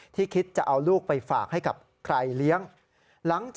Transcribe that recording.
คิดจะเอาลูกไปฝากให้กับใครเลี้ยง